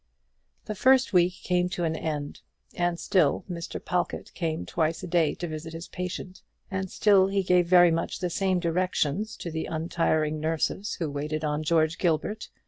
The first week came to an end, and still Mr. Pawlkatt came twice a day to visit his patient; and still he gave very much the same directions to the untiring nurses who waited on George Gilbert.